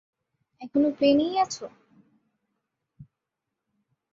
এখনও প্লেনেই আছ?